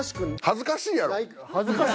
「恥ずかしいやろ」って何？